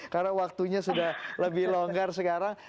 karena waktunya sudah lebih longgar sekarang